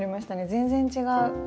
全然違う。